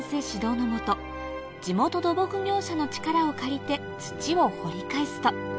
指導の下地元土木業者の力を借りて土を掘り返すと・